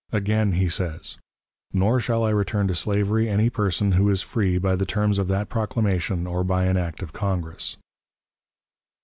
Again he says: "Nor shall I return to slavery any person who is free by the terms of that proclamation or by an act of Congress."